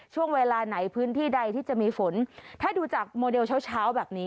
ช่วงเวลาไหนพื้นที่ใดที่จะมีฝนถ้าดูจากโมเดลเช้าเช้าแบบนี้